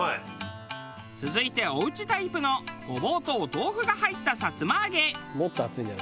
続いておうちタイプのごぼうとお豆腐が入ったさつま揚げ。